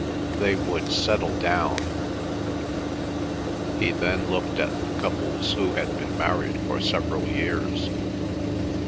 They would settle down. He then looked at the couples who had been married for several years.